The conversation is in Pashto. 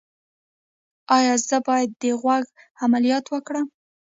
ایا زه باید د غوږ عملیات وکړم؟